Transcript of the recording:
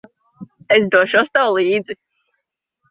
Es došos tev līdzi.